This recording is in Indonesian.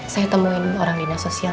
saya temuin orang dinas sosial